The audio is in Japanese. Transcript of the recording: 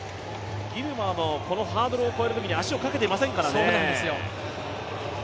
ギルマのこのハードルを越えるときに、足をかけてませんからね。